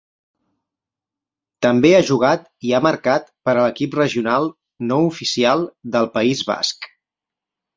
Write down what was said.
També ha jugat i ha marcat per a l'equip regional no oficial del País Basc.